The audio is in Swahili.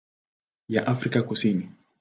ya Afrika Kusini.